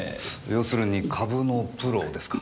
要するに株のプロですか？